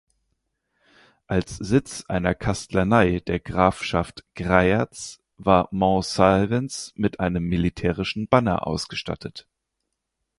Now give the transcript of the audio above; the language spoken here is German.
Als Sitz einer Kastlanei der Grafschaft Greyerz war Montsalvens mit einem militärischen Banner ausgestattet.